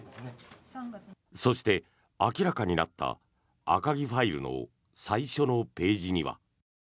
そして、明らかになった赤木ファイルの最初のページには。